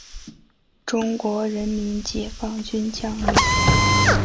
中国人民解放军将领。